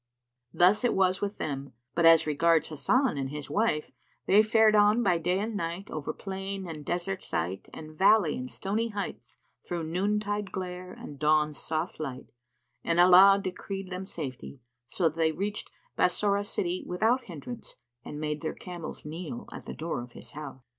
Thus it was with them; but as regards Hasan and his wife, they fared on by day and night over plain and desert site and valley and stony heights through noon tide glare and dawn's soft light; and Allah decreed them safety, so that they reached Bassorah city without hindrance and made their camels kneel at the door of his house.